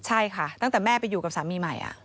ใช่ค่ะตั้งแต่แม่ไปอยู่กับสามีใหม่